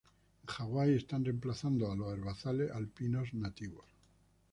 En Hawái está reemplazando a los herbazales alpinos nativos.